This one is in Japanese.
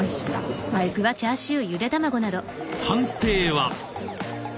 判定は？